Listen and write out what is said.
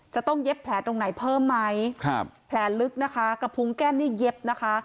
เย็บแผลตรงไหนเพิ่มไหมครับแผลลึกนะคะกระพุงแก้มนี่เย็บนะคะ